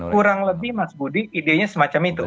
kurang lebih mas budi idenya semacam itu